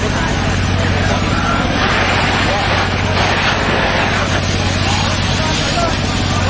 กินกว่าอีกแล้วนะครับ